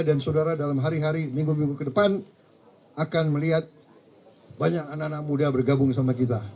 dan saudara dalam hari hari minggu minggu ke depan akan melihat banyak anak anak muda bergabung sama kita